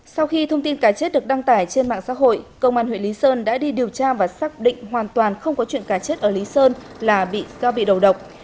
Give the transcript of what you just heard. sau khi thông tin cá chết được đăng tải trên mạng xã hội công an huyện lý sơn đã đi điều tra và xác định hoàn toàn không có chuyện cá chết ở lý sơn là do bị đầu độc